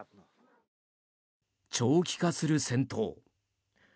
長期化する戦闘。